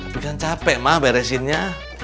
bisa capek mah beresinnya